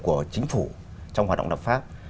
của chính phủ trong hoạt động lập pháp